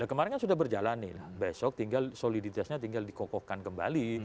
kemarin kan sudah berjalan nih besok tinggal soliditasnya tinggal dikokohkan kembali